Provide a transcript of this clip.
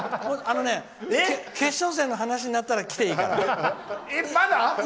決勝戦の話になったら来ていいから。